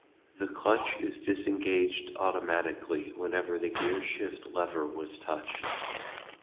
The clutch is disengaged automatically whenever the gear-shift lever was touched.